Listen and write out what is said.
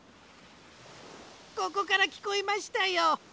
ここからきこえましたよ。